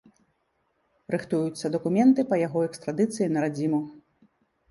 Рыхтуюцца дакументы па яго экстрадыцыі на радзіму.